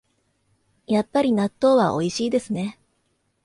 やっぱり納豆はおいしいですね